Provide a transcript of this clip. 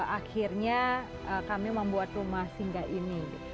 akhirnya kami membuat rumah singgah ini